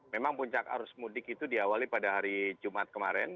memang puncak arus mudik itu diawali pada hari jumat kemarin